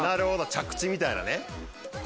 着地みたいなね。